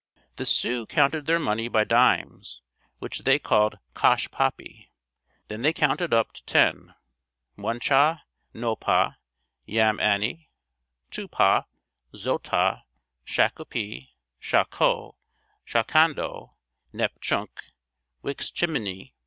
The Sioux counted their money by dimes, which they called Cosh poppy. Then they counted up to ten; One cha, No pah, Yam any, To pa, Zo ta, Shakopee, Sha ko, Sha kan do, Nep chunk, Wix chiminey.